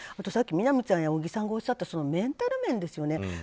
さっきみなみちゃんと小木さんがおっしゃったメンタル面ですよね。